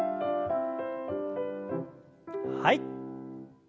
はい。